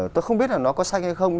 tôi không biết là nó có xanh hay không